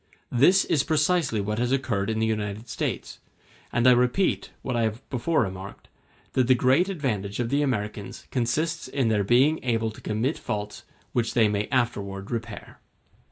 This is precisely what has occurred in the United States; and I repeat, what I have before remarked, that the great advantage of the Americans consists in their being able to commit faults which they may afterward repair.